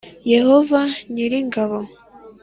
Yehova nyir’ingabo.